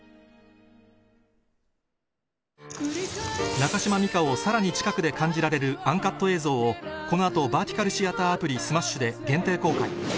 中島美嘉をさらに近くで感じられるＵＮＣＵＴ映像をこの後バーティカルシアターアプリｓｍａｓｈ．で限定公開